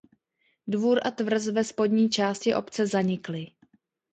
Dvůr a tvrz ve spodní části obce zanikly.